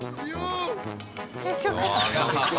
結局。